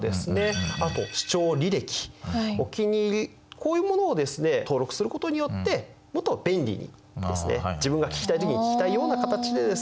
こういうものをですね登録することによってもっと便利に自分が聴きたい時に聴きたいような形でですね